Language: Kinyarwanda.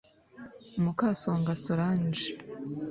Mukasonga Solange